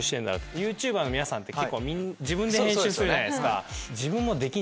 ＹｏｕＴｕｂｅｒの皆さんって結構自分で編集するじゃないですか。